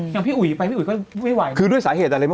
อย่างพี่อุ๋ยไปพี่อุ๋ยก็ไม่ไหวคือด้วยสาเหตุอะไรมาก